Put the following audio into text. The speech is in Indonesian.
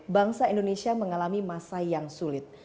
bangsa indonesia mengalami masa yang sulit